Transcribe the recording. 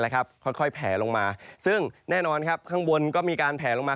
ค่อยแผลลงมาซึ่งแน่นอนข้างบนก็มีการแผลลงมา